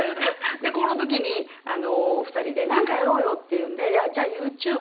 この時に２人でなんかやろうよっていうんでじゃあＹｏｕＴｕｂｅ。